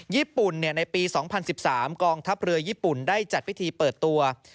ญี่ปุ่นในปี๒๐๑๓กองทัพเรือญี่ปุ่นได้จัดพิธีเปิดตัว